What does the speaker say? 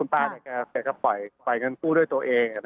พาตัวป้าช่วยการปล่อยเงินกู้ด้วยตัวเอง